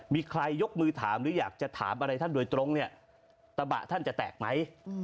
มีใครยกมือถามหรืออยากจะถามอะไรท่านโดยตรงเนี่ยตะบะท่านจะแตกไหม